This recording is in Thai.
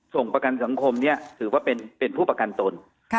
ประกันสังคมเนี่ยถือว่าเป็นผู้ประกันตน